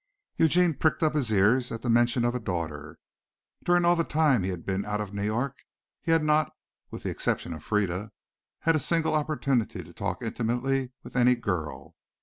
Eugene pricked up his ears at the mention of a daughter. During all the time he had been out of New York he had not, with the exception of Frieda, had a single opportunity to talk intimately with any girl.